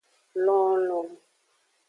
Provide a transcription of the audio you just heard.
Lonlon.